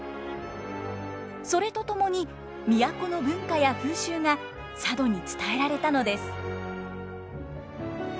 それとともに都の文化や風習が佐渡に伝えられたのです。